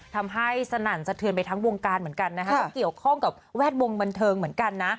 สนั่นสะเทือนไปทั้งวงการเหมือนกันนะฮะก็เกี่ยวข้องกับแวดวงบันเทิงเหมือนกันนะ